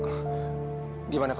bagaimana kalau kita